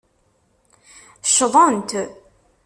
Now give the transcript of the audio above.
Ccḍent.